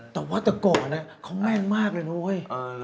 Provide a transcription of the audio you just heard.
แต่ว่าแต่ก่อนเขาแม่นมากเลยนะเว้ย